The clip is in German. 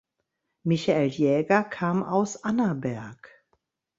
Michael Jäger kam aus Annaberg.